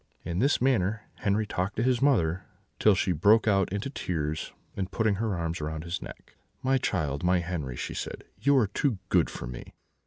"In this manner Henri talked to his mother, till she broke out into tears, and putting her arms round his neck: "'My child, my Henri,' she said, 'you are too good for me!'